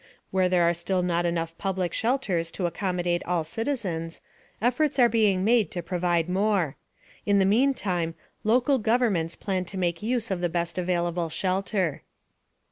Where there are still not enough public shelters to accommodate all citizens, efforts are being made to provide more. In the meantime, local governments plan to make use of the best available shelter.